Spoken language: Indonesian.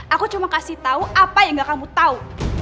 aku cuma kasih tau apa yang gak kamu tau